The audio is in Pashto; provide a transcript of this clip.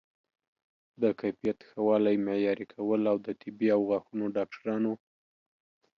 د کیفیت ښه والی معیاري کول او د طبي او غاښونو ډاکټرانو